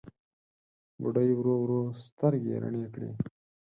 بوډۍ ورو ورو سترګې رڼې کړې.